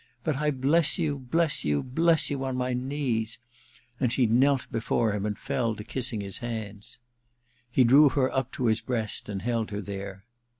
But I bless you, bless you, bless you on my knees !' And she knelt before him, and fell to kissing his hands. He drew her up to his breast and held her there.